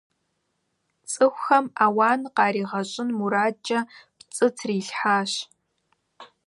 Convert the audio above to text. ЦӀыхухэм ауан къаригъэщӀын мурадкӀэ пцӏы трилъхьащ.